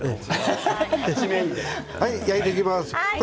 焼いていきます。